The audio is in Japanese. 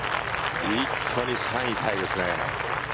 一気に３位タイですね。